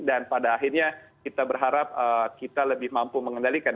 dan pada akhirnya kita berharap kita lebih mampu mengendalikan